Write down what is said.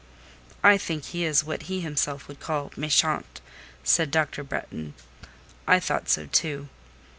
"I think he is what he himself would call 'méchant,'" said Dr. Bretton. I thought so, too.